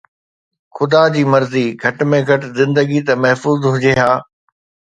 خدا جي مرضي، گهٽ ۾ گهٽ زندگي ته محفوظ هجي ها.